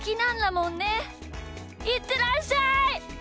いってらっしゃい！